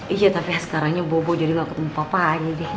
iya tapi sekarangnya bobo jadi gak ketemu papa ini deh